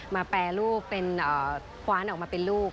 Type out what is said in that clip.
แปรรูปเป็นกว้านออกมาเป็นลูก